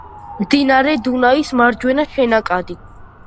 მდინარე დუნაის მარჯვენა შენაკადი.